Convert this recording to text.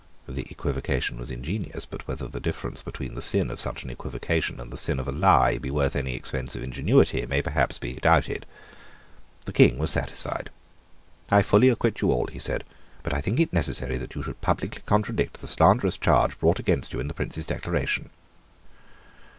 The equivocation was ingenious: but whether the difference between the sin of such an equivocation and the sin of a lie be worth any expense of ingenuity may perhaps be doubted. The King was satisfied. "I fully acquit you all," he said. "But I think it necessary that you should publicly contradict the slanderous charge brought against you in the Prince's declaration."